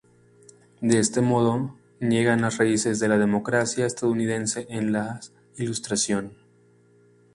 De este modo, niegan las raíces de la democracia estadounidense en la Ilustración.